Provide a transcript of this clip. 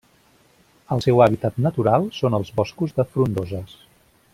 El seu hàbitat natural són els boscos de frondoses.